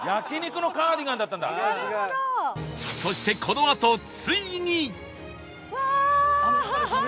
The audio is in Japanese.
そしてこのあとついに！